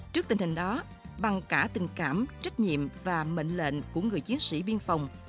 trước tình hình đó bằng cả tình cảm trách nhiệm và mệnh lệnh của người chiến sĩ biên phòng